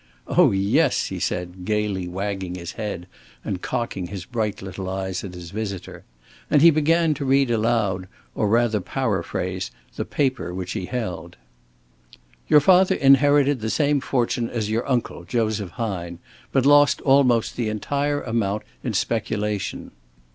Oh yes," he said, gaily wagging his head and cocking his bright little eyes at his visitor. And he began to read aloud, or rather paraphrase, the paper which he held: "Your father inherited the same fortune as your uncle, Joseph Hine, but lost almost the entire amount in speculation.